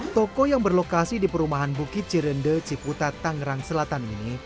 toko yang berlokasi di perumahan bukit cirende ciputa tangerang selatan ini